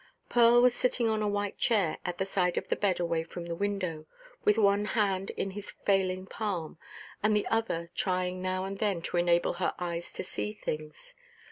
Pearl was sitting on a white chair at the side of the bed away from the window, with one hand in his failing palm, and the other trying now and then to enable her eyes to see things.